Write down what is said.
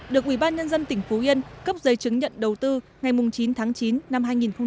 được ủy ban nhân dân tỉnh phú yên cấp giấy chứng nhận đầu tư ngày chín tháng chín năm hai nghìn một mươi bốn